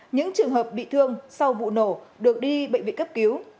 những trường hợp bị thương sau vụ nổ được đi bệnh viện cấp cứu